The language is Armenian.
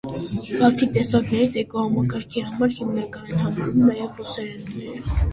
Բացի տեսակներից, էկոհամակարգի համար հիմնական են համարվում նաև ռեսուրսները։